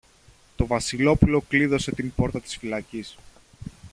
Το Βασιλόπουλο κλείδωσε την πόρτα της φυλακής